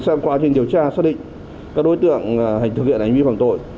sau quá trình điều tra xác định các đối tượng thực hiện ánh vi phạm tội